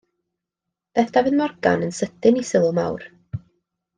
Daeth Dafydd Morgan yn sydyn i sylw mawr.